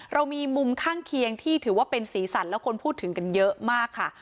เรามีมุมข้างเคียงที่ถือว่าเป็นสีสันและคนพูดถึงกันเยอะมากค่ะ